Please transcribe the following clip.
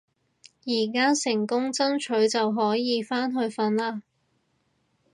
而家成功爭取就可以返去瞓啦